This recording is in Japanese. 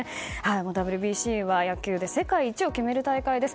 ＷＢＣは野球で世界一を決める大会です。